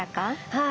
はい。